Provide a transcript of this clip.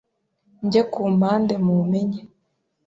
Njye kumpande mumenye